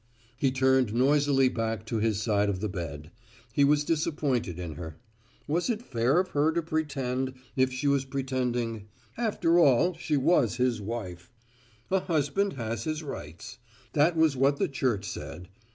He turned noisily back to his side of the bed. He was disappointed in her. Was it fair of her to pretend if she was pretending? After all, she was his wife. A husband has his rights. That was what the church said.